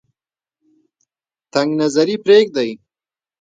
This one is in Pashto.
تنگ نظري پریږدئ.